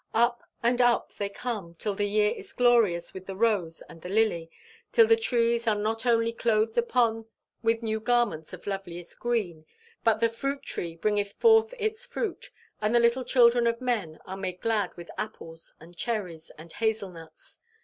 Up and up they come till the year is glorious with the rose and the lily, till the trees are not only clothed upon with new garments of loveliest green, but the fruit tree bringeth forth its fruit, and the little children of men are made glad with apples, and cherries, and hazel nuts.